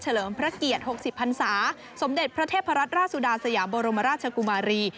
เลิมพระเกียรติ๖๐พันศาสมเด็จพระเทพรัตนราชสุดาสยามบรมราชกุมารี